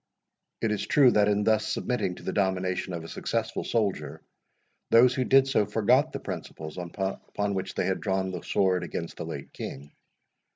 It is true, that, in thus submitting to the domination of a successful soldier, those who did so, forgot the principles upon which they had drawn the sword against the late King.